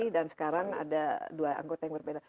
dan sekarang ada dua anggota yang berbeda